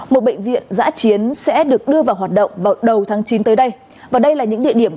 một bệnh viện giã chiến sẽ được đưa vào hoạt động vào đầu tháng chín tới đây và đây là những địa điểm